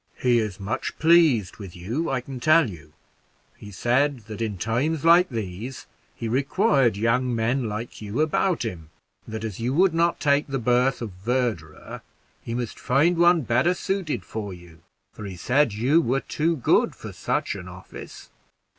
"He is much pleased with you, I can tell you. He said that in times like these he required young men like you about him; and that, as you would not take the berth of verderer, he must find one better suited for you; for he said you were too good for such an office."